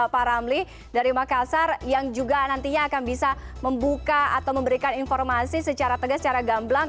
pak ramli dari makassar yang juga nantinya akan bisa membuka atau memberikan informasi secara tegas secara gamblang